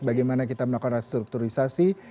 bagaimana kita melakukan restrukturisasi